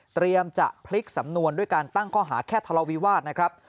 จะพลิกสำนวนด้วยการตั้งข้อหาแค่ทะเลาวิวาสนะครับ